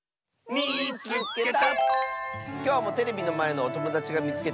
「みいつけた！」。